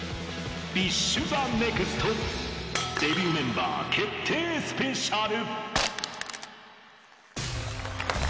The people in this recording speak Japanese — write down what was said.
ＢｉＳＨＴＨＥＮＥＸＴ、デビューメンバー決定スペシャル。